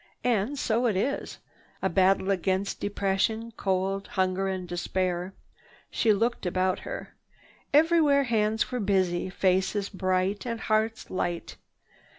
"And so it is—a battle against depression, cold, hunger and despair." She looked about her. Everywhere hands were busy, faces bright and hearts light.